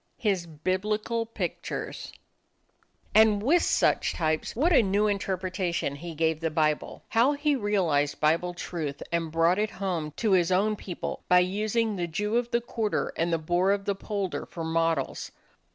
His Biblical Pictures And with such types what a new interpretation he gave the Bible! How he realized Bible truth and brought it home to his own people by using the Jew of the quarter and the boor of the polder for models!